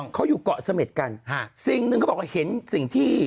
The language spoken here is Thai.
เขาอยู่เกาะเสม็ดกันฮะสิ่งหนึ่งเขาบอกว่าเห็นสิ่งที่